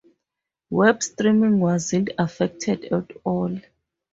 Web streaming wasn't affected at all.